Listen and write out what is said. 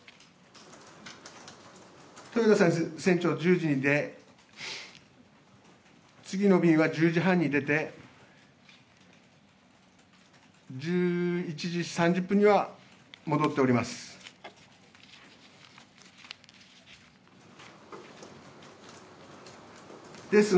豊田船長、１０時で、次の便は１０時半に出て、１１時３０分には戻っております。